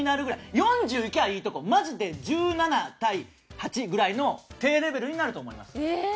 ４０いけばいいところマジで１７対８ぐらいの低レベルになると思います。